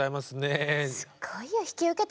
すごいよ。